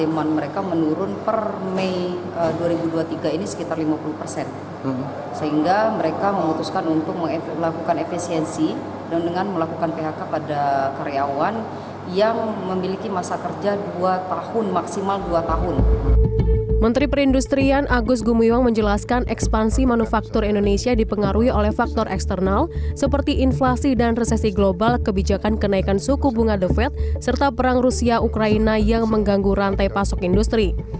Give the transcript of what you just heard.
menteri perindustrian agus gumiyong menjelaskan ekspansi manufaktur indonesia dipengaruhi oleh faktor eksternal seperti inflasi dan resesi global kebijakan kenaikan suku bunga devet serta perang rusia ukraina yang mengganggu rantai pasok industri